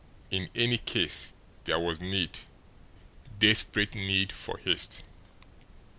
In any case there was need, desperate need, for haste.